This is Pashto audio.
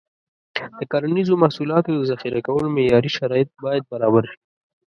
د کرنیزو محصولاتو د ذخیره کولو معیاري شرایط باید برابر شي.